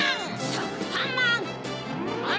しょくぱんまん！